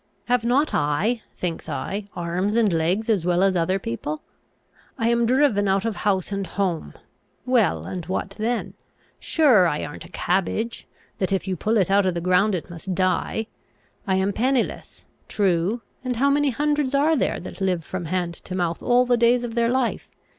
Have not I, thinks I, arms and legs as well as other people? I am driven out of house and home. Well, and what then? Sure I arn't a cabbage, that if you pull it out of the ground it must die. I am pennyless. True; and how many hundreds are there that live from hand to mouth all the days of their life?